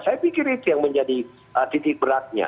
saya pikir itu yang menjadi titik beratnya